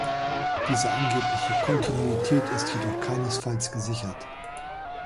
Diese angebliche Kontinuität ist jedoch keinesfalls gesichert.